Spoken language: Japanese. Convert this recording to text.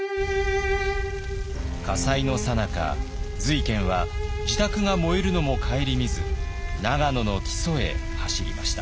「火災のさなか瑞賢は自宅が燃えるのも顧みず長野の木曽へ走りました」。